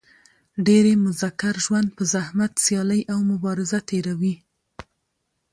ډېری مذکر ژوند په زحمت سیالي او مبازره تېروي.